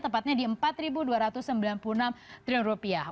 tepatnya di empat dua ratus sembilan puluh enam triliun rupiah